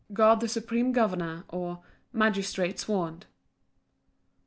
God the supreme Governor; or, Magistrates warned.